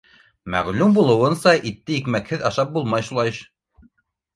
Мәғлүм булыуынса, итте икмәкһеҙ ашап булмай, шулай